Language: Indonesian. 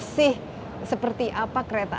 sih seperti apa kereta